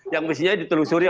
yang mestinya ditelusuri